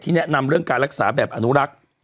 แนะนำเรื่องการรักษาแบบอนุรักษ์